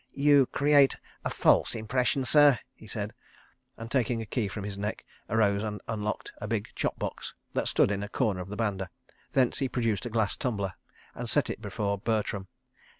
"You create a false impression, sir," he said, and, taking a key from his neck, arose and unlocked a big chop box that stood in a corner of the banda. Thence he produced a glass tumbler and set it before Bertram.